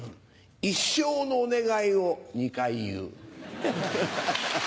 一生のお願いを二回言う。